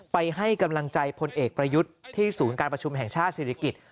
ให้กำลังใจพลเอกประยุทธ์ที่ศูนย์การประชุมแห่งชาติศิริกิจ